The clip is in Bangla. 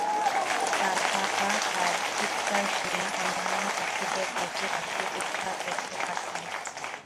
তার কাকা তার চিৎকার শুনে অন্যান্য পাখিদের ডেকে তাকে উদ্ধার করতে পাঠায়।